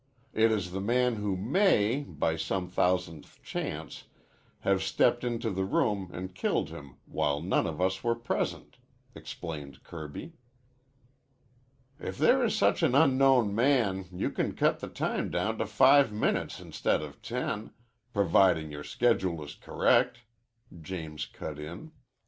It is the man who may, by some thousandth chance, have stepped into the room an' killed him while none of us were present," explained Kirby. "If there is such an unknown man you can cut the time down to five minutes instead of ten, providing your schedule is correct," James cut in.